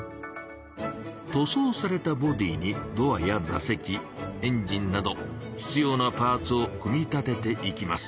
塗装されたボディーにドアや座席エンジンなど必要なパーツを組み立てていきます。